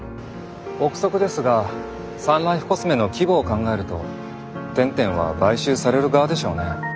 臆測ですがサンライフコスメの規模を考えると天・天は買収される側でしょうね。